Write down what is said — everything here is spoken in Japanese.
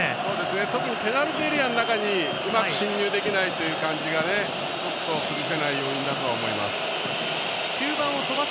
特にペナルティーエリアの中にうまく進入できないというのが崩せない要因だと思います。